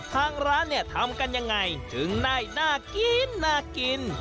ทางร้านเนี่ยทำกันยังไงถึงได้น่ากินน่ากิน